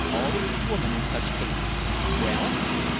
Always a woman in such cases! Well?"